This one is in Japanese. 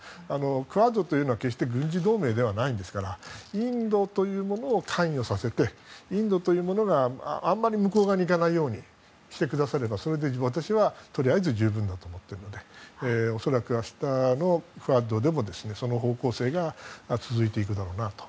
クアッドというのは決して軍事同盟ではないですからインドというものを関与させてインドというものがあまり向こう側にいかないようにしてくだされば私はとりあえず十分だと思っているんで今夜の「Ｑさま！！」は北条政子スペシャル。